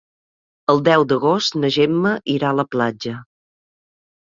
El deu d'agost na Gemma irà a la platja.